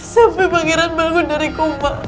sampai pangeran bangun dari kompak